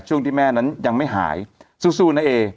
ช่วงที่แม่นั้นยังไม่หายสู้นะเอ